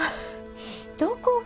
どこが？